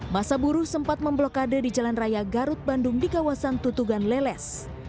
masa buruh sempat memblokade di jalan raya garut bandung di kawasan tutugan leles